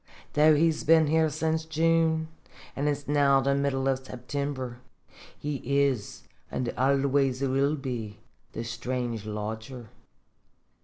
Though he's been here since June, an' it's now the middle of September, he is, an' always will be, the strange lodger.